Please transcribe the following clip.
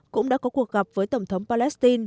cũng đã có cuộc gặp với tổng thống palestine